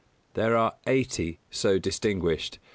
There are eighty so distinguished.